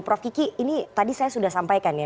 prof kiki ini tadi saya sudah sampaikan ya